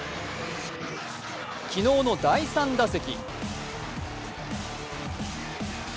昨日の第３打席。